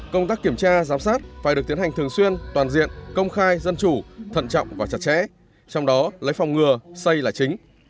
công tác kiểm tra giám sát phải được tiến hành thường xuyên toàn diện công khai dân chủ thận trọng và chặt chẽ trong đó lấy phòng ngừa xây là chính